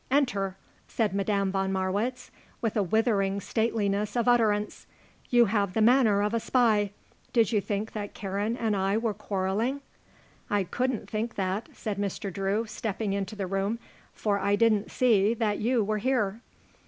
Enter," said Madame von Marwitz, with a withering stateliness of utterance. "You have the manner of a spy. Did you think that Karen and I were quarrelling?" "I couldn't think that," said Mr. Drew, stepping into the room, "for I didn't see that you were here."